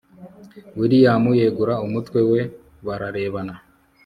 william yegura umutwe we bararebana